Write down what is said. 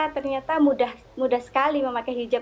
ternyata mudah sekali memakai hijab